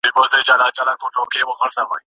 که ته شرم وکړې نو وروسته پاتې کیږې.